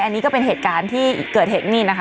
อันนี้ก็เป็นเหตุการณ์ที่เกิดเหตุนี่นะคะ